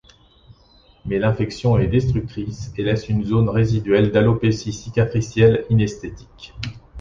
Mais l'infection est destructrice et laisse une zone résiduelle d'alopécie cicatricielle inesthétique.